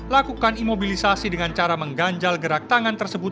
lakukan imobilisasi dengan cara mengganjal gerak tangan tersebut